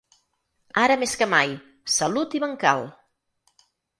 Ara més que mai, salut i bancal!